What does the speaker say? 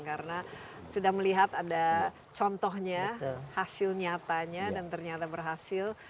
karena sudah melihat ada contohnya hasil nyatanya dan ternyata berhasil